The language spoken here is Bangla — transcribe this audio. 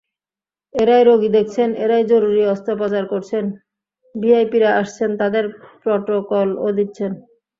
এঁরাই রোগী দেখছেন, এঁরাই জরুরি অস্ত্রোপচার করছেন, ভিআইপিরা আসছেন, তাঁদের প্রটোকলও দিচ্ছেন।